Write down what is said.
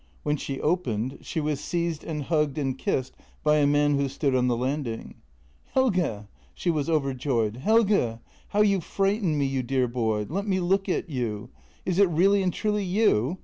When she opened she was seized and hugged and kissed by a man who stood on the landing. "Helge!" She was overjoyed. "Helge! how you fright ened me, you dear boy. Let me look at you. Is it really and truly you?